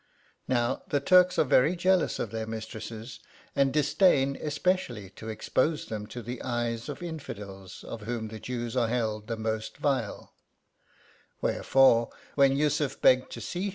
Now, the Turks are very jealous of their mistresses, and disdain, especially, to expose them to the eyes of infidels, of whom the Jews are held the most vile ;— wherefore, whpn Yussuf begged to see THE TkAGEDV OF SEVILLE.